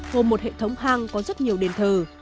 gồm một hệ thống hang có rất nhiều đền thờ